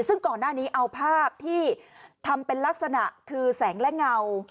ซึ่งก่อนหน้านี้เอาภาพที่ทำเป็นลักษณะคือแสงและเงา